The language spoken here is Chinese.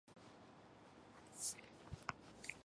是历史上首次用三角测量的方法量测地月间的距离。